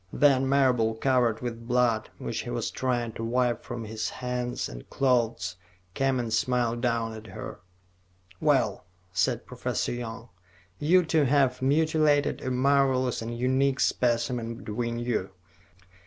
Then, Marable, covered with blood, which he was trying to wipe from his hands and clothes, came and smiled down at her. "Well," said Professor Young, "you two have mutilated a marvelous and unique specimen between you."